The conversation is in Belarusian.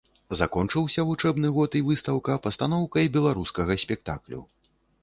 Закончыўся вучэбны год і выстаўка пастаноўкай беларускага спектаклю.